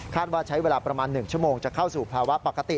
ว่าใช้เวลาประมาณ๑ชั่วโมงจะเข้าสู่ภาวะปกติ